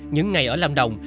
những ngày ở lâm đồng